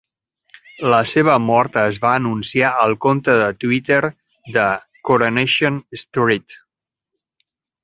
La seva mort es va anunciar al compte de Twitter de "Coronation Street".